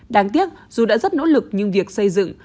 đáng tiếc dù đã rất nỗ lực nhưng việc xây dựng